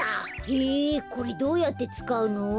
へえこれどうやってつかうの？